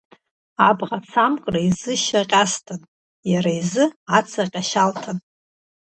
Абӷацамкра изышьаҟьасҭан, иара изы ацаҟьа шьалҭан.